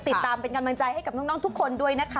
ติดตามเป็นกำลังใจให้กับน้องทุกคนด้วยนะคะ